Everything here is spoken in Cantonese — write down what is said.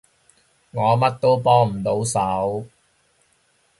我乜都幫唔到手